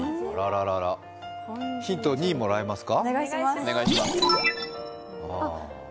ヒント２もらえますか。